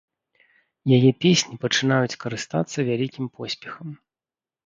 Яе песні пачынаюць карыстацца вялікім поспехам.